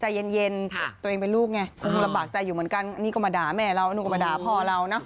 ใจเย็นตัวเองเป็นลูกไงคงลำบากใจอยู่เหมือนกันนี่ก็มาด่าแม่เรานู่นก็มาด่าพ่อเราเนอะ